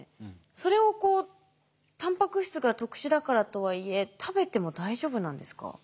それをたんぱく質が特殊だからとはいえ食べても大丈夫なんですか？